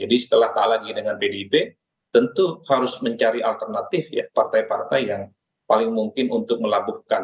jadi setelah talan ini dengan pdip tentu harus mencari alternatif ya partai partai yang paling mungkin untuk melaburkan